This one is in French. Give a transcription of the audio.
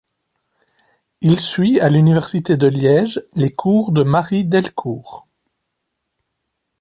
Il suit, à l'université de Liège, les cours de Marie Delcourt.